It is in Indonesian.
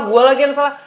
gua lagi yang salah